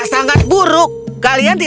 jangan lupa untuk menikmati video ini